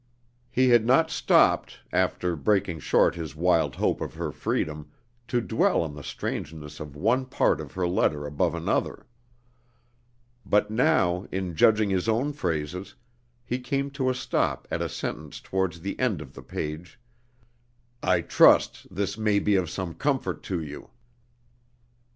He had not stopped, after breaking short his wild hope of her freedom, to dwell on the strangeness of one part of her letter above another. But now, in judging his own phrases, he came to a stop at a sentence towards the end of the page: "I trust this may be of some comfort to you."